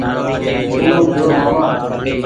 ڪينو گيو ماما